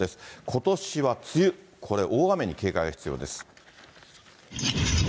ことしは梅雨、これ、大雨に警戒が必要です。